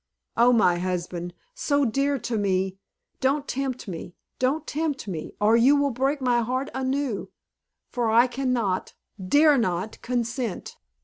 Oh, my husband, so dear to me, don't tempt me, don't tempt me, or you will break my heart anew. For I can not, dare not, consent."